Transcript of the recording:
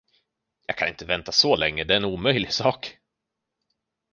Jag kan inte vänta så länge, det är en omöjlig sak.